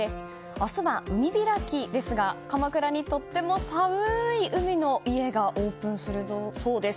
明日は海開きですが鎌倉に、とっても寒い海の家がオープンするそうです。